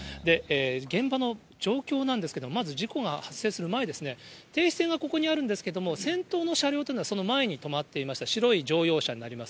現場の状況なんですが、まず事故が発生する前ですね、停止線がここにあるんですけれども、先頭の車両というのはその前に止まっていました白い乗用車になります。